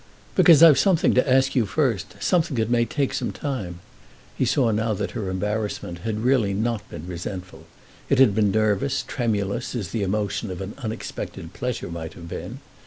"Because I've something to ask you first, something that may take some time." He saw now that her embarrassment had really not been resentful; it had been nervous, tremulous, as the emotion of an unexpected pleasure might have been.